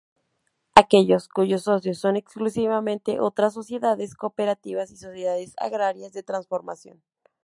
Aquellas cuyos socios son exclusivamente otras sociedades cooperativas y Sociedades Agrarias de Transformación.